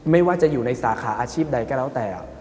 ไม่ว่าจะอยู่ในสาขาอาชีพใดก็แล้วแต่